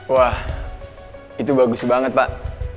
wah itu bagus banget pak